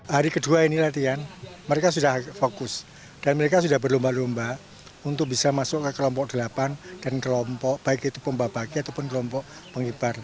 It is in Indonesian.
hari kedua ini latihan mereka sudah fokus dan mereka sudah berlomba lomba untuk bisa masuk ke kelompok delapan dan kelompok baik itu pembabaki ataupun kelompok pengibar